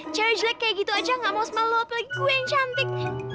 cewek jelek kaya gitu aja gak mau sama lu apalagi gue yang cantik